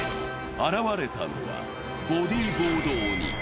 現れたのは、ボディボード鬼。